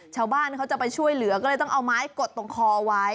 ชาวบ้านเขาจะไปช่วยเหลือก็เลยต้องเอาไม้กดตรงคอไว้